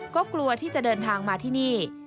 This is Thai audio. ก็กลัวที่จะเดินทางมาที่นี่